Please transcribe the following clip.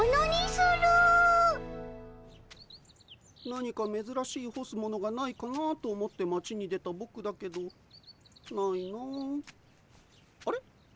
何かめずらしいほすものがないかなと思って町に出たぼくだけどないなああれ？